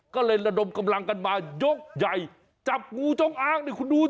ก็เลยระดมกำลังกันมายกใหญ่จับงูจงอ้างนี่คุณดูสิ